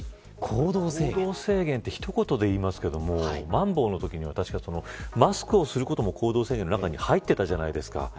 行動制限って一言で言いますけれどもまん防のときにマスクをすることも行動制限の中に入ってたじゃないですか。